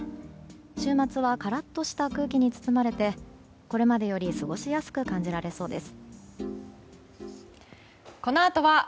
週末はカラッとした空気に包まれてこれまでより過ごしやすく感じられそうです。